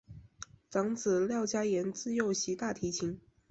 长子廖嘉言自幼习大提琴。